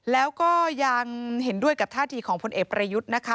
แล้วก็ยังเห็นด้วยกับท่าทีของพลเอกประยุทธ์นะคะ